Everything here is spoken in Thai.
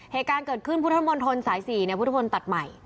เหตุการณ์เกิดขึ้นพุทธมนตรสาย๔พุทธมนตตัดใหม่